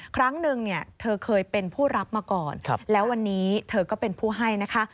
ครั้งหนึ่งเธอเคยเป็นผู้รับมาก่อนแล้ววันนี้เธอก็เป็นผู้ให้นะคะ